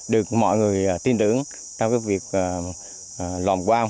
được mọi người tin tưởng trong việc lòng qua